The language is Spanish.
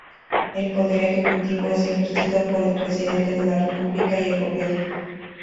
El poder ejecutivo es ejercido por el Presidente de la República y el Gobierno.